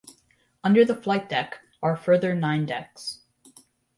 Under the flight deck are a further nine decks.